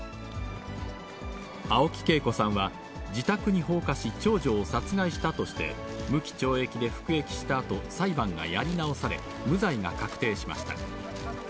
青木恵子さんは、自宅に放火し、長女を殺害したとして、無期懲役で服役したあと、裁判がやり直され、無罪が確定しました。